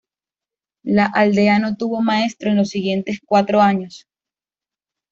La aldea no tuvo maestro en los siguientes cuatro años.